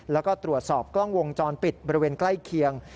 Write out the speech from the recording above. แล้วก็ตรวจสอบกล้องวงจรปิดบริเวณใกล้เคียง